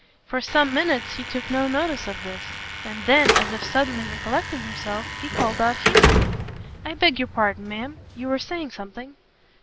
For some minutes he took no notice of this; and then, as if suddenly recollecting himself, he called out hastily, "I beg your pardon, ma'am, you were saying something?"